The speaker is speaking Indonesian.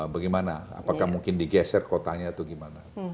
bagaimana apakah mungkin digeser kotanya atau gimana